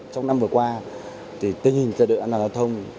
trong năm vừa qua tình hình gia đình an toàn giao thông